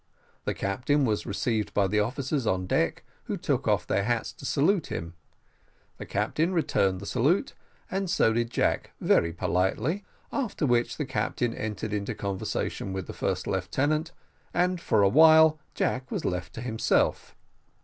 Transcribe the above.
The captain was received by the officers on deck, who took off their hats to salute him. The captain returned the salute, and so did Jack very politely, after which the captain entered into conversation with the first lieutenant, and for a while Jack was left to himself.